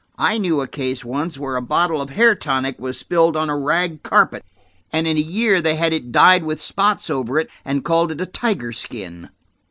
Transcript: "I knew a case once where a bottle of hair tonic was spilled on a rag carpet, and in a year they had it dyed with spots over it and called it a tiger skin."